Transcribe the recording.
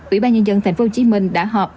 ủy ban nhân dân tp hcm đã họp